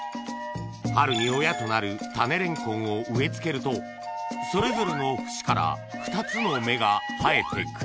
春に親となる種レンコンを植え付けるとそれぞれの節から２つの芽が生えて来る